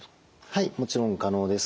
はいもちろん可能です。